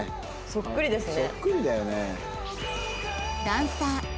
そっくりだよね。